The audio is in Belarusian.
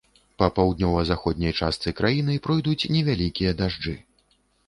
Па паўднёва-заходняй частцы краіны пройдуць невялікія дажджы.